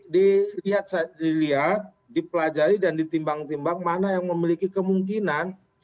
dilihat dipelajari dan ditimbang timbang mana yang memiliki kemungkinan